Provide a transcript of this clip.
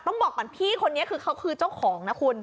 ต้องบอกก่อนพี่คนนี้คือเขาคือเจ้าของนะคุณ